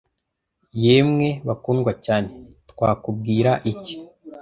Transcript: Yemwe bakundwa cyane, twakubwira iki?